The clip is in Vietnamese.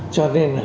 cho nên là